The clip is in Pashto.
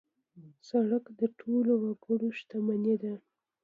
سړک د ټولو وګړو شتمني ده.